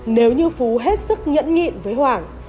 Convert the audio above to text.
nếu như phú hết sức nhẫn nhịn với hoàng